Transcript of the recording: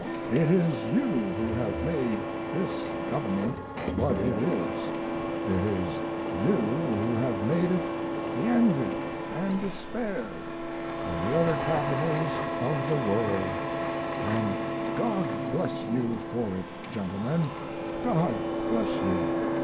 It is you who have made this government what it is, it is you who have made it the envy and despair of the other capitals of the world and God bless you for it, gentlemen, God bless you!